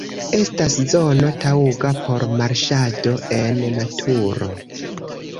Estas zono taŭga por marŝado en naturo.